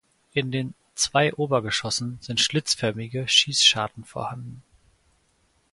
In den zwei Obergeschossen sind schlitzförmige Schießscharten vorhanden.